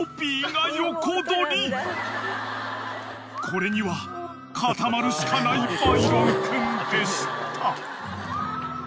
［これには固まるしかないバイロン君でした］